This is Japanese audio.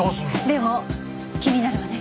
でも気になるわね。